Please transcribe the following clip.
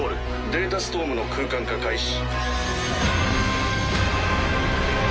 データストームの空間化開始。